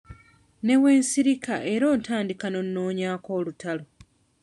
Ne bwe nsirika era ontandika ng'onnoonyaako olutalo.